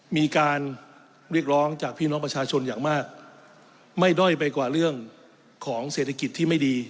มีการเรียกร้องจากพี่น้องประชาชนอย่างมากไม่ด้อยไปกว่าเรื่องของเศรษฐกิจที่ไม่ดี